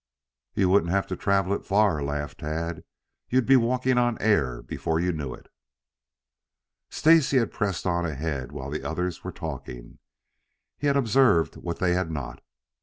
"You wouldn't have to travel it far," laughed Tad. "You'd be walking on air before you knew it." Stacy had pressed on ahead while the others were talking. He had observed what they had not.